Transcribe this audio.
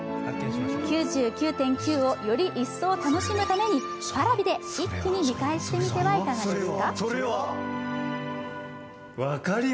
「９９．９」をより一層楽しむためにＰａｒａｖｉで一気に見返してみてはいかがですか？